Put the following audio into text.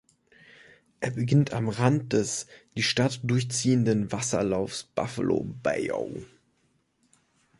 Er beginnt am Rand des die Stadt durchziehenden Wasserlaufs Buffalo Bayou.